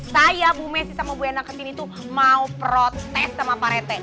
saya bu messi sama bu ena kesini tuh mau protes sama pak rete